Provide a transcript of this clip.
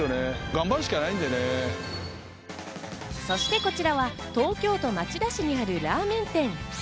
そしてこちらは東京都町田市にあるラーメン店。